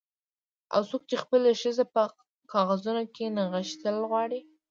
او څوک چې خپلې ښځې په کاغذونو کې نغښتل غواړي